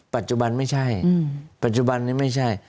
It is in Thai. ปัจจุบันไม่ใช่ปัจจุบันนี้ไม่ใช่